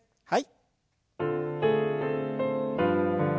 はい。